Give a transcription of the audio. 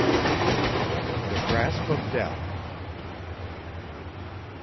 THE GRASP OF DEATH.